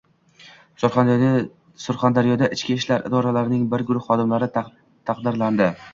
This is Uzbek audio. Surxondaryoda Ichki ishlar idoralarining bir guruh xodimlari taqdirlanding